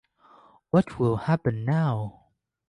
What will happen now?